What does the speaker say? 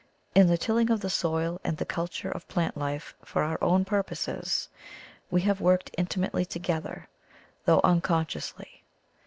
In the tilling of the soil and the culture of plant life for our own purposes we have worked intimately together — though uncon sciously.